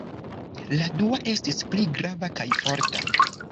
La dua estis pli grava kaj forta.